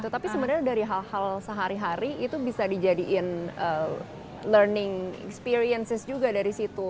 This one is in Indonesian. tapi sebenarnya dari hal hal sehari hari itu bisa dijadikan learning experiences juga dari situ